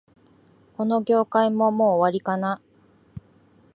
この業界も、もう終わりかな